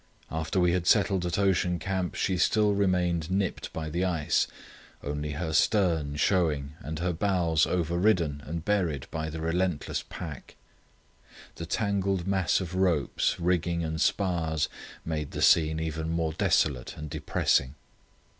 After we had settled at Ocean Camp she still remained nipped by the ice, only her stern showing and her bows overridden and buried by the relentless pack. The tangled mass of ropes, rigging, and spars made the scene even more desolate and depressing.